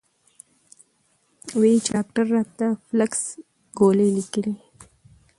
وې ئې چې ډاکټر راته فلکس ګولۍ ليکلي دي -